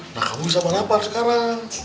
nah kamu bisa malam sekarang